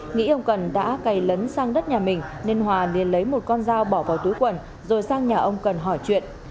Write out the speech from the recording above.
nghĩ ông cần đã cày lấn sang đất nhà mình nên hòa liền lấy một con dao bỏ vào túi quần rồi sang nhà ông cần hỏi chuyện